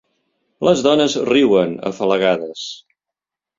Les dones riuen, afalagades.